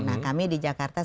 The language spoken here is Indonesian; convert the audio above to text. nah kami di jakarta